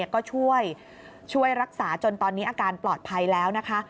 ก็ช่วยรักษาจนตอนนี้อาการปลอดภัยแล้วนะคะ